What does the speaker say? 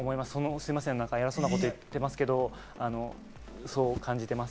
すみません、なんか偉そうなこと言ってますけれども、そう感じてます。